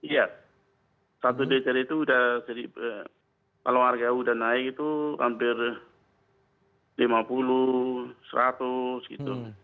ya satu liter itu kalau harga sudah naik itu hampir lima puluh seratus gitu